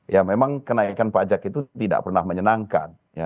ya memang kenaikan pajak itu tidak pernah menyenangkan